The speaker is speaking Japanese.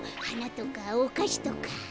はなとかおかしとか。